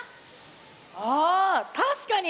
ああたしかに！